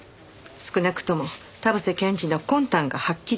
少なくとも田臥検事の魂胆がはっきりするまでは。